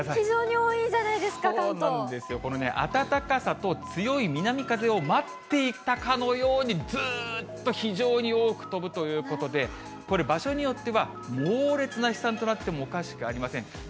非常に多いじゃないですか、そうなんですよ、暖かさと強い南風を待っていたかのように、ずーっと非常に多く飛ぶということで、これ、場所によっては、猛烈な飛散となってもおかしくありません。